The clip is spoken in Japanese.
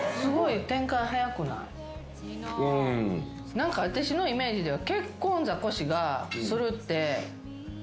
何か私のイメージでは。